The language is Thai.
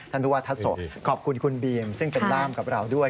ผู้ว่าทัศขอบคุณคุณบีมซึ่งเป็นล่ามกับเราด้วย